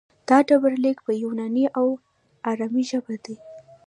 دا ډبرلیک په یوناني او ارامي ژبه دی